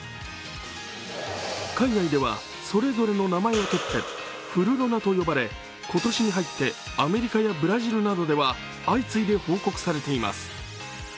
海外ではそれぞれの名前を取ってフルロナと呼ばれ、今年に入ってアメリカやブラジルなどでは相次いで報告されています。